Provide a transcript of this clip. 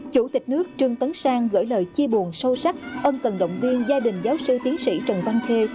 chủ tịch nước trương tấn sang gửi lời chi buồn sâu sắc âm cần động viên gia đình giáo sư tiên sĩ trần văn khê